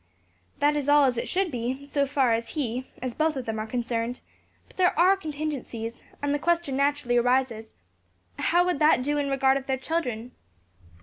"That is all as it should be, so far as he as both of them are concerned; but there are contingencies; and the question naturally arises, How would that do in regard of their children?"